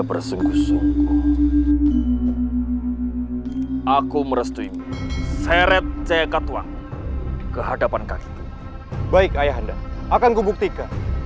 bersungguh sungguh aku merestu seret cekat wang kehadapan kaki baik ayah anda akan kubuktikan